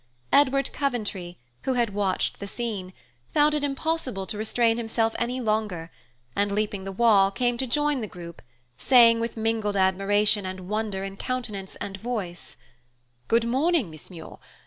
Edward Coventry, who had watched the scene, found it impossible to restrain himself any longer and, leaping the wall, came to join the group, saying, with mingled admiration and wonder in countenance and voice, "Good morning, Miss Muir.